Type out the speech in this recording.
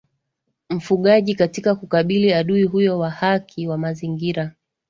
mfugaji katika kukabili adui huyu wa haki wa Mazingira